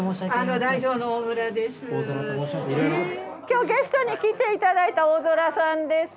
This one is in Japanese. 今日ゲストに来て頂いた大空さんです。